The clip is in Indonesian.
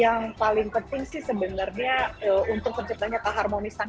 yang paling penting sih sebenarnya untuk menciptakan keharmonisan